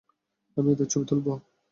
আমি এদের ছবি তুলবো।